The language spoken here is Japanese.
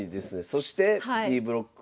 そしてＢブロック。